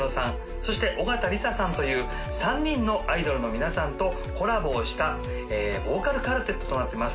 そして小片リサさんという３人のアイドルの皆さんとコラボをしたボーカルカルテットとなってます